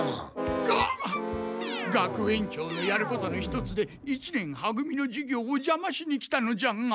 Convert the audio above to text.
が学園長のやることの一つで一年は組のじゅ業をじゃましに来たのじゃが。